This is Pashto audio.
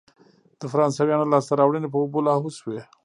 د فرانسویانو لاسته راوړنې په اوبو لاهو شوې.